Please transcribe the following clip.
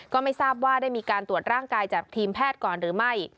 ก็ไม่ทราบว่าได้มีการตรวจร่างกายจากทีมแพทย์ก่อนหรือไม่